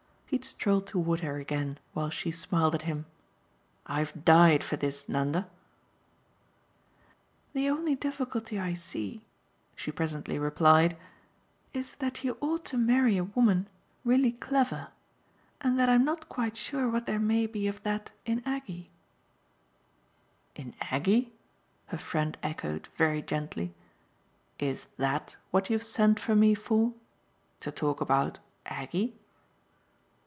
He had strolled toward her again while she smiled at him. "I've died for this, Nanda." "The only difficulty I see," she presently replied, "is that you ought to marry a woman really clever and that I'm not quite sure what there may be of that in Aggie." "In Aggie?" her friend echoed very gently. "Is THAT what you've sent for me for to talk about Aggie?"